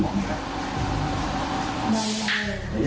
ว่ามีติดมามั้ยฮะ